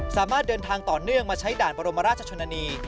สามารถเดินทางต่อเนื่องมาใช้ด่านบรมราชชนนานี